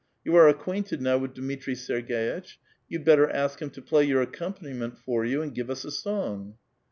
^ Yon are acquainted now with Dmitri Serg6itch ; you'd lK»tter ask him to play your accompaniment for you, and give us a song."